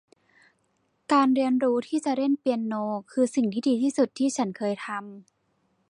การเรียนรู้ที่จะเล่นเปียโน คือสิ่งที่ดีที่สุดที่ฉันเคยทำ